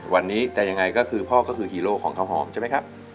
วันนี้จะยังไงก็คือพ่อก็คือฮีโร่ของข้าวหอมใช่ไหมครับ